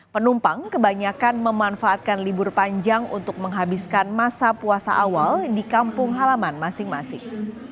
penumpang kebanyakan memanfaatkan libur panjang untuk menghabiskan masa puasa awal di kampung halaman masing masing